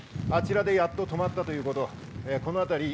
あちらでやっと止まったということです。